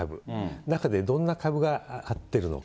中でどんな株があってるのか。